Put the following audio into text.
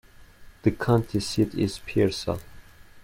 The county seat is Pearsall.